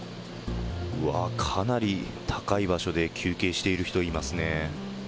わー、かなり高い場所で休憩している人、いますね。